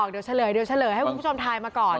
เดี๋ยวเฉลยให้คุณผู้ชมทายมาก่อน